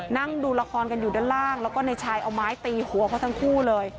นั่งดูละครกันอยู่ด้านล่างแล้วก็ในชายเอาไม้ตีหัวเขาทั้งคู่เลย